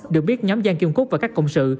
được biết nhóm giang kim cúc và các công sự